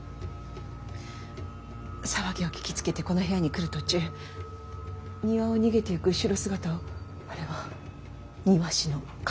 騒ぎを聞きつけてこの部屋に来る途中庭を逃げていく後ろ姿をあれは庭師の梶谷かと。